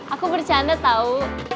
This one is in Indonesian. aku bercanda tau